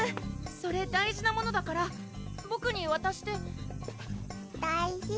それ大事なものだからボクにわたしてだいじ？